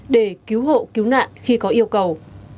để cứu hộ cứu nạn khi có yêu cầu